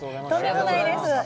とんでもないです。